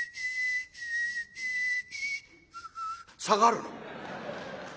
下がるの。